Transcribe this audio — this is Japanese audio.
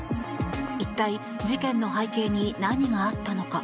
一体事件の背景に何があったのか。